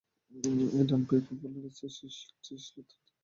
এটাই ডান পায়ের ফুটবলারদের চেয়ে সৃষ্টিশীলতার দিক দিয়ে এগিয়ে রেখেছে তাঁদের।